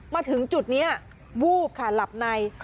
มาถึงจุดนี้วูบค่ะหลับใน